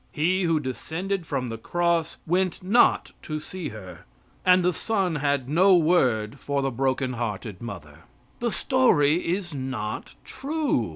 He who descended from the cross went not to see her; and the son had no word for the broken hearted mother. The story is not true.